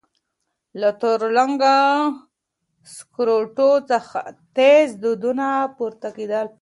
له تور رنګه سکروټو څخه تېز دودونه پورته کېدل.